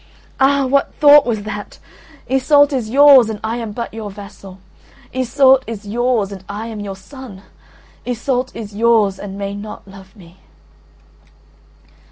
Ah! What thought was that! Iseult is yours and I am but your vassal; Iseult is yours and I am your son; Iseult is yours and may not love me."